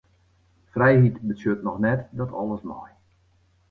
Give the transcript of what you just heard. Frijheid betsjut noch net dat alles mei.